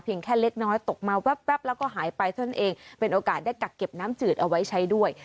แค่เล็กน้อยตกมาแว๊บแล้วก็หายไปเท่านั้นเองเป็นโอกาสได้กักเก็บน้ำจืดเอาไว้ใช้ด้วย